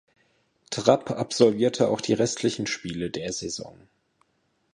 Trapp absolvierte auch die restlichen Spiele der Saison.